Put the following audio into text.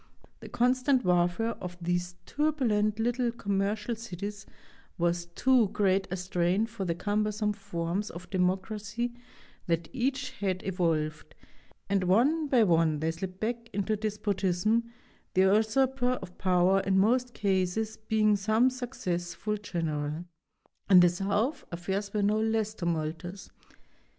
The constant warfare of these turbulent little commercial cities was too great a strain for the cumbersome forms of democracy that each had evolved, and one by one they slipped back into despotism, the usurper of power in most cases being some successful general. In the South affairs were no less tumultuous.